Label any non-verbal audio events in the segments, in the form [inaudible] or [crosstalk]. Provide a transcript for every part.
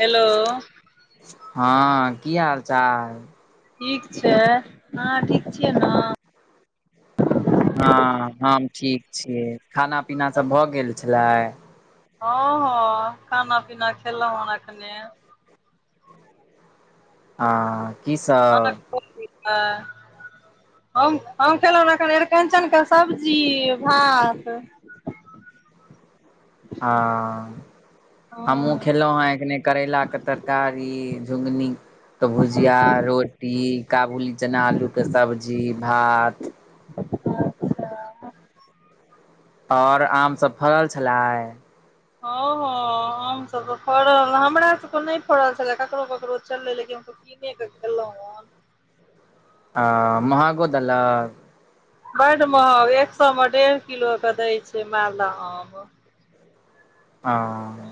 Hello हँ की हाल चाल ठीक छै अहा ठीक छियै नऽ हँ हम ठीक छियै खाना पीना सब भऽ गेलय छलै हँ हँ खाना पीना खेलहु हन अखने हँ की सब [unintelligible] हम हम खेलहुँ एखन अरिकन्चन कऽ सब्जी भात [inaudible] हँ हँ हमहुँ खेलहुँ हँ एखने करैलाके तरकारी ई झुगनी तऽ भुजिया रोटी काबुली चना आलूके सब्जी भात अच्छा ओर आम सब फड़ल छलय हँ हँ आम सभ तऽ फड़ल हमरा सबके नहि फड़ल छलै ककरो ककरो छलै लेकिन किने कऽ खेलौ हन आ महग्गो देलक बड्ड महग एक सए मे डेढ़ किलो कऽ दै छै मालदह आम [unintelligible]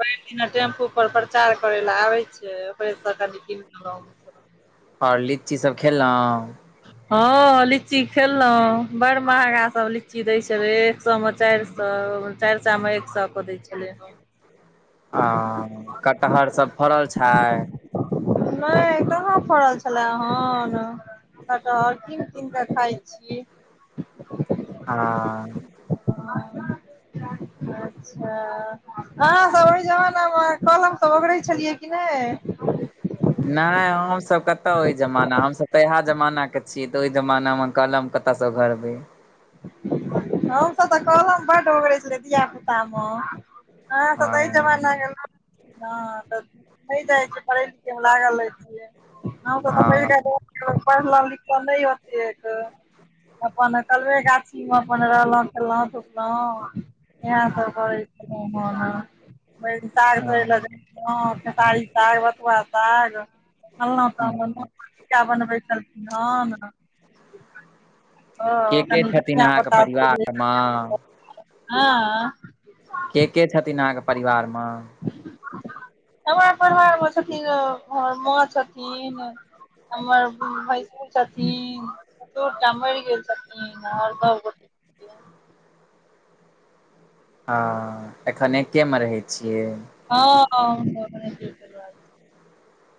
भेर दिना टेम्पू पर प्रचार करे ल आबे छै ओकरे से कनि कीन लेलौ ओर लीची सब खेलोऽ हँ लिची खेलोऽ बड़ महगा सब लिची दय छैले एक सौ म चाइर सौ चाइर सैय मे एक सँ कऽ दै छलै हँ [unintelligible] कटहर सब फड़ल छै नय कहा फड़ल छलै हन कटहर कीन कीन कऽ खाय छी [inaudible] आ [inaudible] अच्छा अहाँसभ ओइ जमानामे कलम सब ओगरै छलियै कि नय नय हमसभ कतह ओय जमाना हमसभ तऽ इएहा जमाना के छि तऽ ओय जमानामे कलम कतऽसँ ओगरबै हम सभ तऽ कॉलम बड ओगरै छलीये धिया पुतामे अहाँ सब त अइ हँ जमाना के लोक हँ तऽ [inaudible] नय जाइ छियै पढ़े लिखै मे लागल रहै हँ छियै [inaudible] कलवे गाछीम अपन रहलो खेलो धूपलो [inaudible] इहे सब करै छलउ हन भैर दिन साग हँ तोड़यल [inaudible] गेल छ्लो खेसारी साग बथुआ साग हँ के के छथिन अहाँके [inaudible] [inaudible] परिवारमे हाँ के के छथिन अहाँके परिवार म हमरा परिवार मे छथिन हमर माँ छथिन हमर भैसुर छथिन ससुरटा मइर गेल छथिन आर सब गोटा [inaudible] अ एखन एकेमे रहै छियै हँ [inaudible]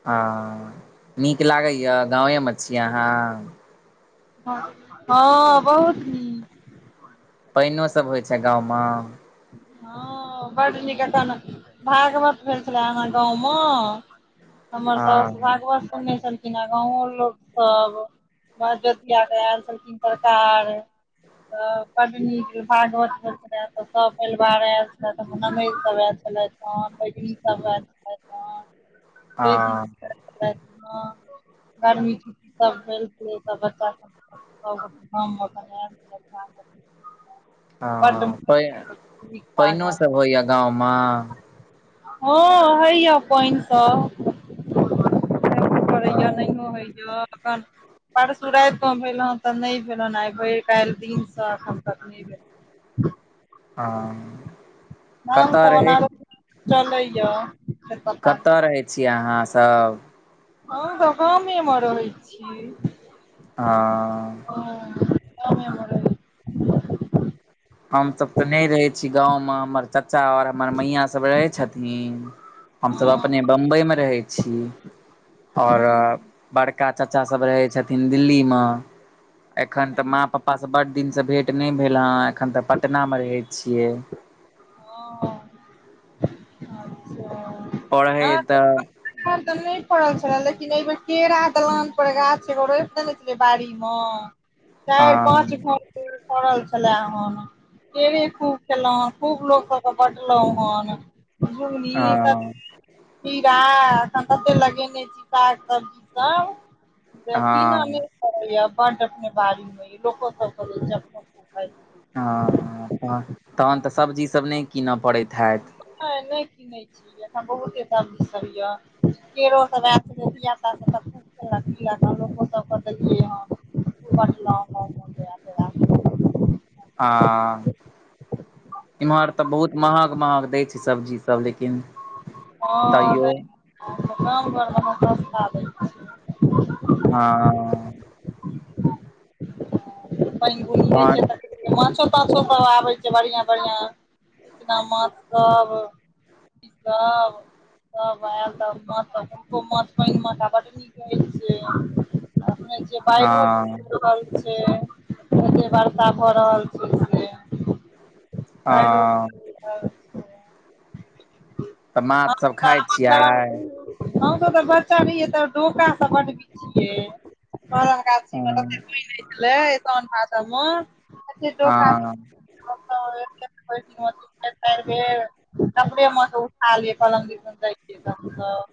हँ नीक लागैए गामे म छी अहाँ हँ बहुत नीक पइनो सब होइ छै गाँवम हँ बड नीक [inaudible] अखन भागवत भेल छले हमर गाँंव म हमर सॅस हँ भागवत सुनने छल इनहर गाँंवो लोक सब भरदुतिया मे आयल छलखिन सरकार अ बड नीक भागवत भेल छलै सब पैलवार आय छलैथ हमर ननैद सब आयछलथ हमर भैगनि सब आयैल छलथ [inaudible] [inaudible] हँ [inaudible] गर्मी छुटी सब भेल छलै त बच्चा सब [inaudible] ह बड पइ नीक पैनो भागवत सब होइया गाँवम हँ हइय पइन सब [inaudible] पैनो परैया हँ नहो हइय अखन परसु राइत मे भेल हन तऽ नइ भेल हन आइ भैर काल्ह दिनसँ एखन तक नइ भेल हँ [inaudible] कतऽ रहै [unintelligible] चलैय कतऽ रहै छियै अहाँ सभ हम तऽ गामे मऽ रहै छी हँ गामे मऽ हमसभ तऽ नय रहै छी गाँव मऽ हमर चाचा अर हमर मैया सभ रहै छथिन हमसभ अपने बम्बई मऽ रहै छी आओर छी बड़का चाचासभ रहै छथिन दिल्ली मऽ एखन तऽ माँ हँ पापासँ बड्ड दिनसँ भेट नय भेल हँ एखन तऽ पटनामे रहै छियै हँ अच्छह परहै तऽ अपन तऽ नय फड़ल छले लेकिन एहि बेर केरा दलान पर गाछ एगो रोइप देने छलिये बाड़ी मऽ चारि हँ पाँच [unintelligible] फड़ल छलै हन केरे खूब खेलौ हँ खूब लोक सब कऽ बाटलौ हन झुगनी [unintelligible] हँ खीरा एखन कते लगेने छी साग सब्जी सब से किनऽ नै हँ फरैय य बड्ड अपने बारी मे तऽ लोको सबके [unintelligible] हँ तऽ तहन तऽ सब्जीसभ नय किनऽ पड़ैत हैत नय नैय किनैय छी एखन बहुते सब्जीसब यऽ केरोसब ऐत जे धिया पुता सब [unintelligible] [unintelligible] हँ इम्हर तऽ बहुत महग महग दैय छै सब्जी सब लेकिन हँ तैयो दैत हैत गाम घर मऽ नऽ सस्ता दै छै हँ कनि बजहैय तहन छै तऽ माछो ताछो सब आबे छै बढ़िया बढ़िया इचना माछ सब [unintelligible] वड्ड निक [unintelligible] जे हँ बाढ़ो [unintelligible] रहल छै जे एते वर्षा भऽ रहल छै से हँ [inaudible] तऽ माछ सब खाय छियै हम सऽ तऽ बच्चा रहिये तऽ डोका सब बड्ड बिछियै। [unintelligible] गाछी मऽ ततै हँ पाइन होइ छलइ साउन भादव मऽ हँ [unintelligible] [unintelligible] मऽ उठा लिए कलम दिसन जाइ छिये तखन तऽ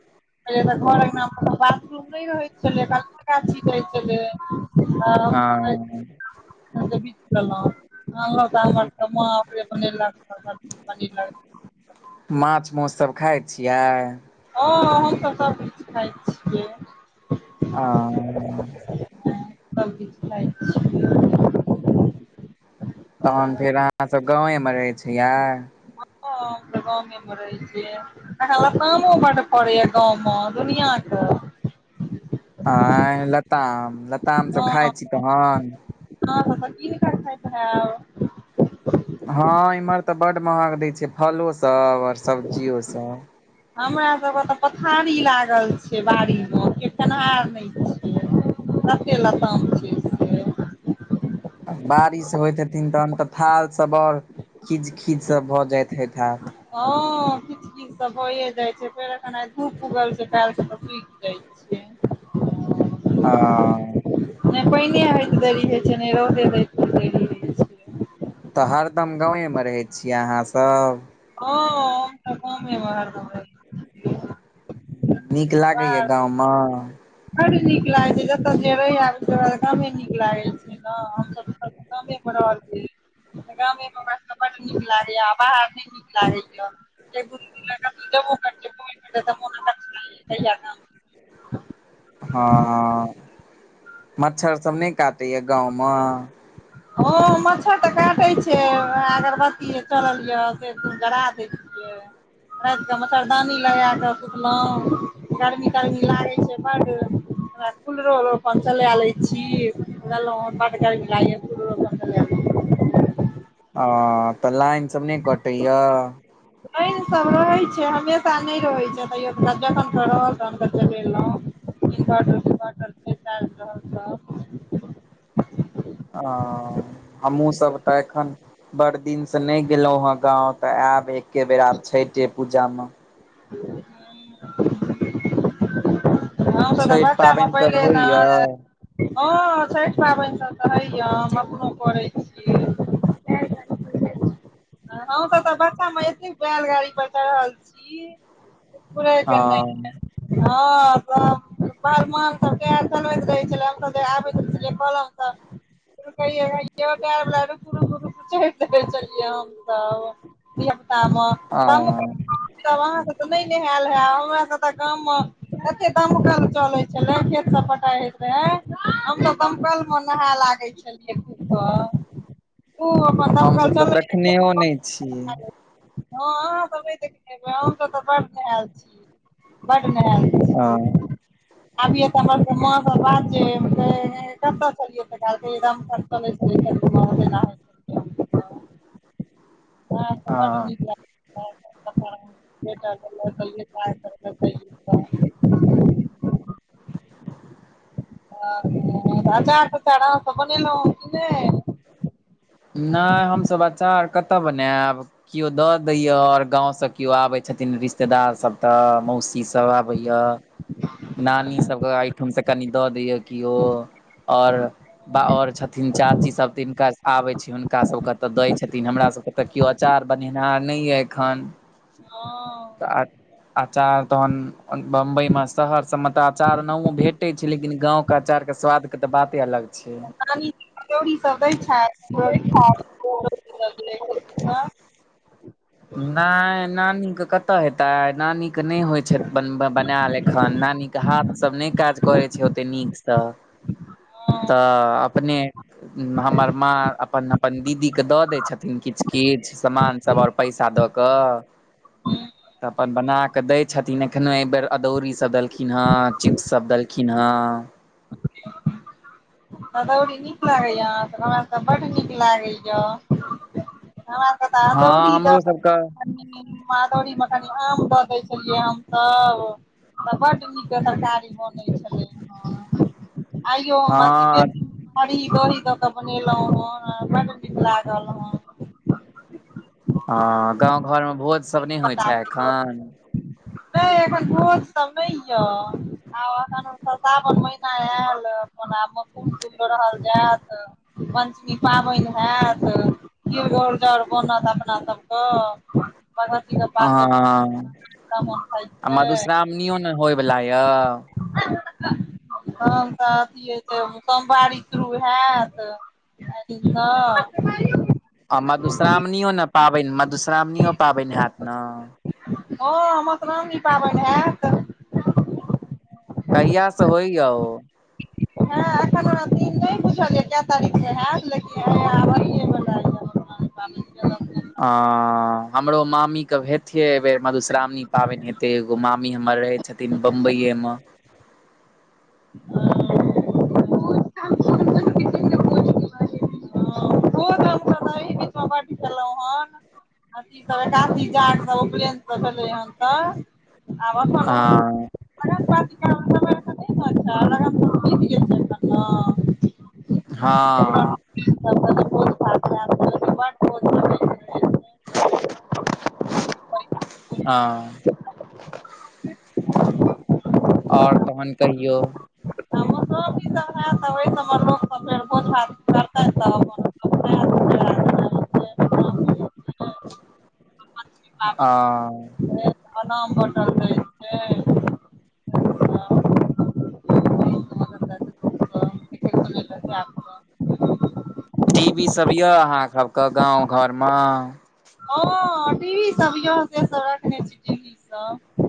पहिले तऽ घर अंगना मतलब बाथरूम नय रहै छलै कलमे गाछी जाइ छलै। हँ हमसब हँ तऽ बिध लेलहुँ अनलक तानलक तऽ माँ [inaudible] माछ मौस सब खाइ छियै हँ हमसब सब किख खाइ छियै। अ हँ [inaudible] तहन फेर अहाँसभ गाँवे मऽ रहै छियै हँ हम तऽ गाँमे मऽ रहै छियै। अखन लतामो बडु फड़ैय गाँव मऽ दुनिया कऽ आंय लताम! लताम सब खाइ छी तहन? अहाँ तऽ कीन कऽ खाइत हैब। हँ इम्हर तऽ बड्ड महंग दै छै, फलोसभ और सब्जियोसभ। हमरा सब के तऽ पथारी लागल छै बाड़ी मे, केयो खेनहार नय छै। कते लताम छियै? बारिश होइत हेथिन तहन तऽ थार सभ आर खीच खीच सभ भऽ जाइत हेत हैत। हँ खीच खीच। से भये जाय छै फेर एखन आय धूप उगल छै काल्हि से तऽ सुइख जाय छै। हँ नय पनिये होयत देरी होइ छै ने रौदे होयत देरीहोयत छै। तऽ हरदम गाँवेमे रहै छियै अहाँसभ? हंँ हम तऽ गामें मे हरदम रहै छी। नीक लागैए गांव म बड्ड नीक लागै छै जबतख जे रहिए आब गामें नीक लागे छै। हंँ हम सब तऽ गामें मे रहल छी। तऽ गामेमे हमरा सबके बड्ड नीक लागैये आ बाहर नय, नीक लागै य एक दु दिन लऽ कतौ जेबो करै छियै घुमै फिरै ल तऽ मन अक्छ लागै ये जे कहिया गाम हँ हंँ, मच्छरसभ नय काटैए गाँव म? हँ मच्छर तऽ काटै छै, अगरबत्तीये चलल य से जरा दै छियै। जे, राति कऽ मच्छरदानी लगै कऽ सुतलहुँ। गर्मी तर्मी लागै छै बड्ड। कुलरो आओर अपन चले लै छी लेलौं हन बड्ड गर्मी लागैये [inaudible] अ तऽ लाइन सब नय कटैय। लाइनसभ रहै छै, हमेशा नै रहै छै। तैयो जखन तक रहल तखन तखन चलेलौं। इनवर्टर तीनवरटर से च रहल छ। हँ हमहुँ सब टा एखन, बड़ दिन से नै गेलौं हँ गाँंव तऽ आयब एके बेरा आब छइठे पूजा में। [inaudible] हम सऽ तऽ छठि बच्चामे पाबनि सब पहिले होइया नाहाइले हँ छईठ पाबनिसभ तऽ होइए, हम अपनो करैत छी। हम सब तऽ बच्चामे एतेक बैलगाड़ी पर चढ़ल छी। हँ अ [inaudible] बहलमान सब टैर चलबैत रहै छलै हमसब आबैत रहै छेलियै कलम तर रूकैयै यौ टैर बला रूकु रूकु चढि जाइ छलियै हमसब धियापुता म ब अ अहाँके तऽ नहि नेहायल है हमर सब तऽ गाममे एते दमकल चलै छले, खेत सब पटाई होयत रहै हमसब दपकल मे नहाय लागैय छलियै। खूब कऽ खूब अपन हमसभ दमकल तऽ चलैये खेत देखनेहो नहि छियै पटैये [unintelligible] हँ अहाँ सभ नय देखने हमसभ तऽ बड्ड नेहाल छीयै, बड्ड नेहाल छी। हँ आबिये तऽ हमर सबके बात छै कतऽ चलियैद [inaudible] [inaudible] हमरा सबके बड्ड हँ नीक लागैत अस्पष्ट [unintelligible] ह [unintelligible] [unintelligible] अचार तचार आंहा सब बनेलौं हे कि नय नय हम सभ अचार कतऽ बनेऽब केओ दऽ दैयऽ आओर गाँवसँ केओ आबैत छथिन रिश्तेदार सभ तऽ मौसी सभ आबैय नानी सबके ओहिठाम से कनि दऽ दैय किओ आओर आओर छथिन चाची सब तिनका आबै छी हुनका सबके तऽ दै छथिन हमरा सबके तऽ केओ अचार बनेनहार नै यऽ एखन ह तऽ आ अचार तहन बम्बइ मे शहर सभ मे तऽ अचार नओ भेटै छै लेकिन गाँव ओ अचार के स्वाद के तऽ बाते अलग छै पानी कचौड़ी सब दै छथि [unintelligible] नय नानीे के कतय हेतै नानी के नय होय छै बन बनायल एखन नानी के हाथ सब नै काज करै छै ओते नीक तऽ तऽ अपने हमर माँ अपन अपन दीदीके दऽ दै छथिन किछ किछ सामान सभ आओर पैसा दऽ कऽ तऽ अपन बनाकऽ दै छथिन एखन एहिबर अदौरीसभ देलखिन हँ चिप्ससभ देलखिन हँ [inaudible] अदौड़ी नीक लागैय अहां तऽ हमरा तऽ बड्ड नीक लागैय हमरा के तऽ हँ अदौरी त हमरो सबके अदौरी मे कनी आम दऽ दै छलियै हम सब तऽ बड नीक एकर तरकाड़ी बनै छै अइयो हम हँ [unintelligible] हरी दही दऽ केऽ बनेलहुं हे बड नीक लागल हं हँ गाँव घर मे भोज सभ नय होइ छै एखन नय एखन भोज सब नय य आब अखन सावन महीना आयल अपन आबमे फूल तूल लोढ़ल जायत पञ्चमी पाबनि हेऽत खीर घोरजाउर बनत अपना सब कऽ ब [unintelligible] अहह आ छै मधुश्रावणियो न होय वला यऽ तन तऽ अथी अइ जे सोमवारी शुरू हेऽत आरी हँ आ मधुश्रावणियो न पाबनि मधुश्रावणियो पाबनि हेऽत न हँ मधुश्रामणी पाबनि हेऽत कहिआसँ होइया ओ हँ एखन ओना दिन नय बुझल यै केऽ तारीख के हेयत लेकिन आब अ ब [unintelligible] ह [unintelligible] अंऽ हमरो मामी के हेथि एहि बेर मधुश्रावणी पाबनि हेते एगो मामी मम्मी हमर रहै छथिन बम्बइए मे ह [inaudible] हमसभ एहि बीचमे बड खेलहुँ हन अथी सब एकादशी जाग सब उपनयन सब भेलै हन तऽ आब अ अपन लग प [unintelligible] हँ [unintelligible] ह रहै छै [unintelligible] ओर तहन कहियौ हमर बाबि स ह तब सम अपन ह प्रणाम प्रणाम ब [unintelligible] टीवी सब यऽ अहाँ सबके गाँव घरमे ह टीवी सब य से सब रखने छी टीवी सब